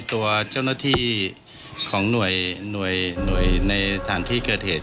ตัวเจ้าหน้าที่ของหน่วยในสถานที่เกิดเหตุ